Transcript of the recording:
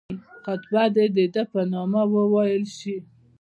خطبه دي د ده په نامه وویل شي.